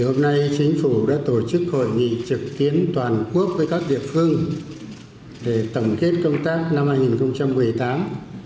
hôm nay chính phủ đã tổ chức hội nghị trực tuyến toàn quốc với các địa phương để tổng kết công tác năm hai nghìn một mươi tám